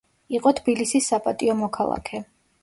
იყო თბილისის საპატიო მოქალაქე.